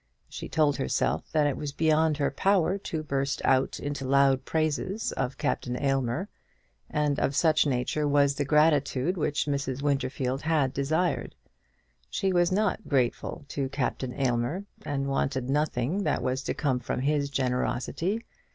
She told herself that it was beyond her power to burst out into loud praises of Captain Aylmer; and of such nature was the gratitude which Mrs. Winterfield had desired. She was not grateful to Captain Aylmer, and wanted nothing that was to come from his generosity.